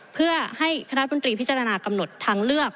เพื่อให้คณะรัฐมนตรีพิจารณากำหนดทางเลือก